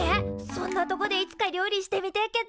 そんなとこでいつか料理してみてえけっ